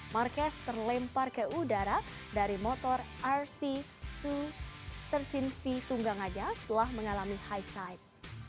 marquez terlempar ke udara dari motor rc dua ratus tiga belas v tunggang aja setelah mengalami high side